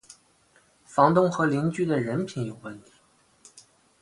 房东和邻居的人品有问题